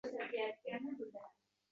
U orzularimni o‘zi bilan olib ketgandi.